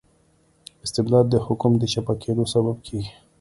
استبداد د حکوم د چپه کیدو سبب کيږي.